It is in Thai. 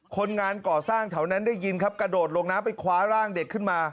คนงานก่อสร้างแถวนั้นได้ยินครับกระโดดลงน้ำไปคว้าร่างเด็กขึ้นมา